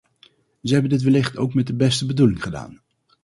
Zij hebben dit wellicht ook met de beste bedoeling gedaan.